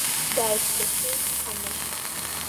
Дааицрашәеит Ҳамышь.